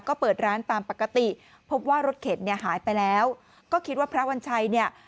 ก็เปิดร้านตามปกติพบว่ารถเข็นเนี่ยหายไปแล้วก็คิดว่าพระวัญชัยเนี่ย